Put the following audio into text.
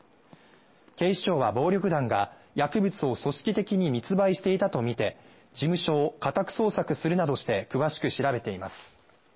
警視庁は暴力団が薬物を組織的に密売していたとみて、事務所を家宅捜索するなどして詳しく調べています。